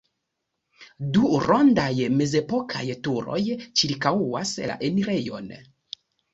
Du rondaj mezepokaj turoj ĉirkaŭas la enirejon.